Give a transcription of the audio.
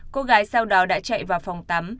cô gái sau đó đã chạy vào phòng tắm